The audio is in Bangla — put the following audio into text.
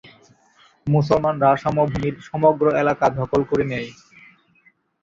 মুসলমানরা সমভূমির সমগ্র এলাকা দখল করে নেয়।